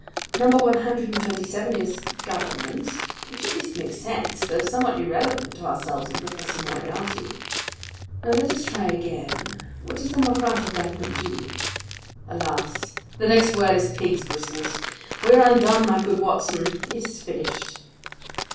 Number one hundred and twenty seven is 'Government'; which at least makes sense, though somewhat irrelevant to ourselves and Professor Moriarty. Now let us try again. What does the Mahratta government do? Alas! the next word is 'pig's bristles.' We are undone, my good Watson! It is finished!"